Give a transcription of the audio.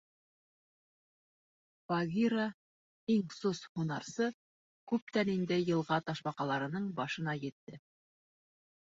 Багира, иң сос һунарсы, күптән инде йылға ташбаҡаларының башына етте.